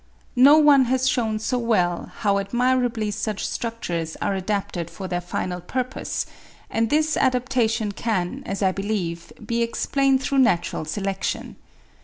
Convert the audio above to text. No one has shewn so well, how admirably such structures are adapted for their final purpose; and this adaptation can, as I believe, be explained through natural selection.